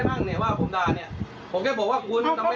พวกคุณไง